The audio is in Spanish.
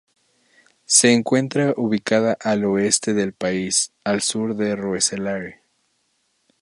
Se encuentra ubicada al oeste del país, al sur de Roeselare.